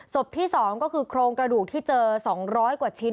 ที่๒ก็คือโครงกระดูกที่เจอ๒๐๐กว่าชิ้น